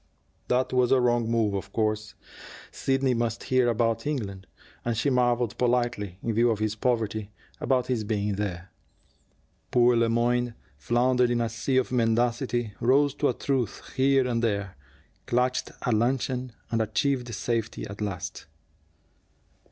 That was a wrong move, of course. Sidney must hear about England; and she marveled politely, in view of his poverty, about his being there. Poor Le Moyne floundered in a sea of mendacity, rose to a truth here and there, clutched at luncheon, and achieved safety at last.